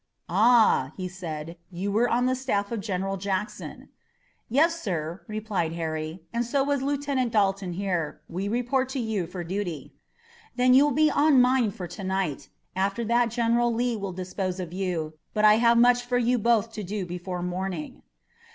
"Ah," he said, "you were on the staff of General Jackson!" "Yes, sir," replied Harry, "and so was Lieutenant Dalton here. We report to you for duty." "Then you'll be on mine for to night. After that General Lee will dispose of you, but I have much for you both to do before morning."